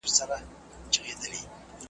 جهاني له دې مالته مرور دي قسمتونه .